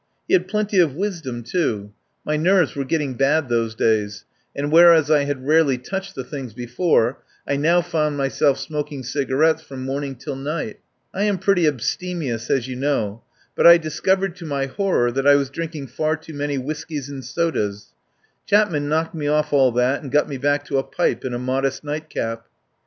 He had plenty of wisdom, too. My 122 I TAKE A PARTNER nerves were getting bad those days, and, whereas I had rarely touched the things be fore, I now found myself smoking cigarettes from morning till night. I am pretty abste mious, as you know, but I discovered, to my horror, that I was drinking far too many whis keys and sodas. Chapman knocked me off all that and got me back to a pipe and a modest nightcap.